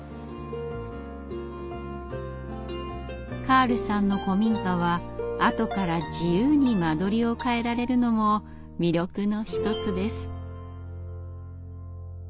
カールさんの古民家は後から自由に間取りを変えられるのも魅力の一つです。